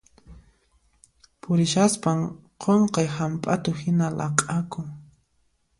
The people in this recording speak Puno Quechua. Purishaspan qunqay hamp'atu hina laq'akun.